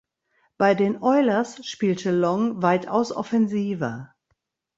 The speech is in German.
Bei den Oilers spielte Long weitaus offensiver.